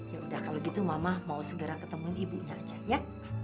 ya udah kalau gitu mama mau segera ketemuin ibunya aja ya